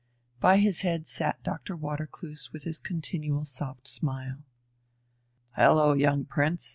By his head sat Doctor Watercloose with his continual soft smile. "Hullo, young Prince